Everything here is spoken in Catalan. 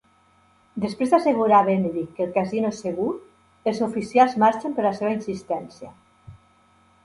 Després d'assegurar Benedict que el casino és segur, els oficials marxen per la seva insistència.